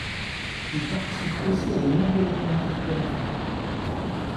Il participe aussi à de nombreux documentaires pour enfants.